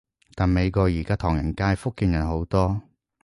但美國而家唐人街，福建人好多